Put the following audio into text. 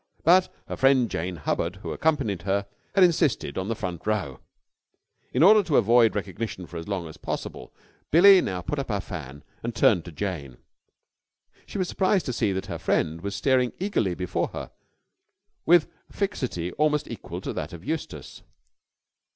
But her friend Jane Hubbard, who accompanied her, had insisted on the front row. In order to avoid recognition for as long as possible, Billie now put up her fan and turned to Jane. She was surprised to see that her friend was staring eagerly before her with a fixity almost equal to that of Eustace.